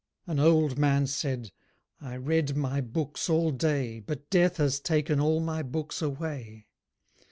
An old man said, "I read my books all day, But death has taken all my books away."